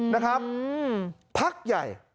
นะครับพักใหญ่